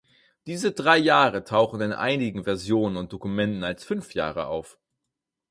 Diese drei Jahre tauchen in einigen Versionen und Dokumenten als fünf Jahre auf.